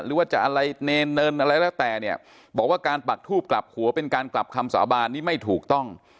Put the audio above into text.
หรือว่าจะอะไรเนรเนินอะไรแล้วแต่เนี่ยบอกว่าการปักทูบกลับหัวเป็นการกลับคำสาบานนี้ไม่ถูกต้อง